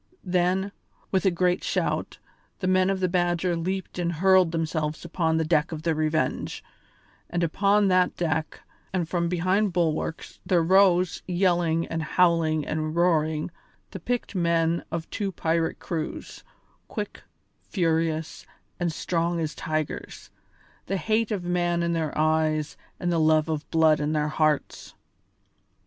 Then, with a great shout, the men of the Badger leaped and hurled themselves upon the deck of the Revenge, and upon that deck and from behind bulwarks there rose, yelling and howling and roaring, the picked men of two pirate crews, quick, furious, and strong as tigers, the hate of man in their eyes and the love of blood in their hearts.